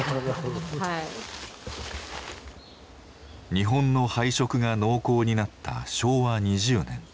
日本の敗色が濃厚になった昭和２０年。